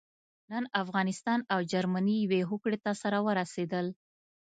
نن افغانستان او جرمني يوې هوکړې ته سره ورسېدل.